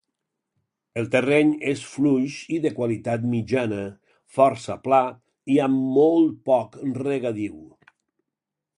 El terreny és fluix i de qualitat mitjana, força pla, i amb molt poc regadiu.